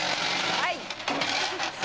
はい。